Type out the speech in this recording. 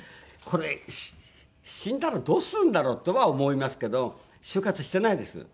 これ死んだらどうするんだろう？とは思いますけど終活してないです。